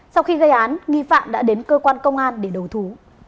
sau khi gây án nghi phạm đã đến cơ quan công an để đầu thú